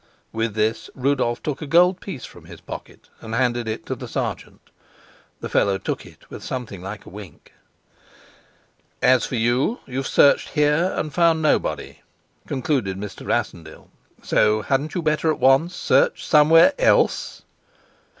With this Rudolf took a gold piece from his pocket and handed it to the sergeant. The fellow took it with something like a wink. "As for you, you've searched here and found nobody," concluded Mr. Rassendyll. "So hadn't you better at once search somewhere else?